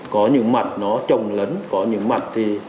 có những mặt nó trồng lấn có những mặt thì